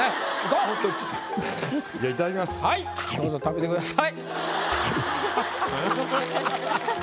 どうぞ食べてください。